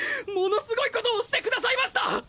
ものすごいことをしてくださいました！